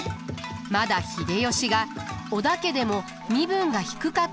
まだ秀吉が織田家でも身分が低かった頃だと考えられます。